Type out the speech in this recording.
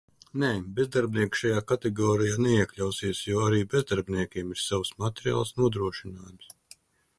Nē, bezdarbnieki šajā kategorijā neiekļausies, jo arī bezdarbniekiem ir savs materiāls nodrošinājums.